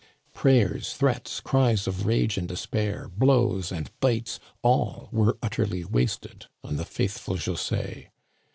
Prayers, threats, cries of rage and despair, blows and bites — all were utterly wasted on the faithful José.